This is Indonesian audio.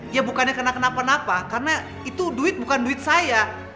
ya bukannya kenapa napa karena itu duit bukan duit saya